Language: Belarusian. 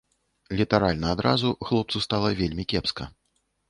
Літаральна адразу хлопцу стала вельмі кепска.